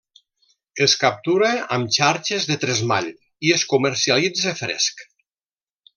Es captura amb xarxes de tresmall i es comercialitza fresc.